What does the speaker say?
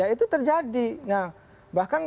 itu terjadi nah bahkan